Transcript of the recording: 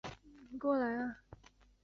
全程可常年通航。